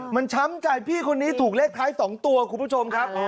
มันช้ำใจพี่คนนี้ถูกเลขท้าย๒ตัวคุณผู้ชมครับ